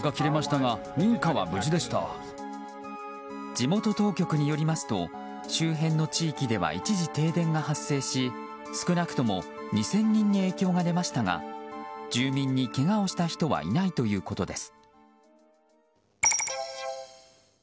地元当局によりますと周辺の地域では一時停電が発生し少なくとも２０００人に影響が出ましたが住民に、けがをした人はいないということです。